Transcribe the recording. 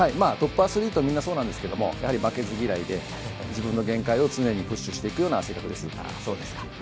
トップアスリートみんなそうなんですけどやはり負けず嫌いで自分の限界を常にプッシュしていくような性格です。